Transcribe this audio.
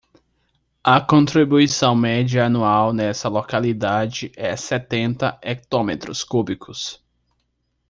A contribuição média anual nessa localidade é setenta hectómetros cúbicos.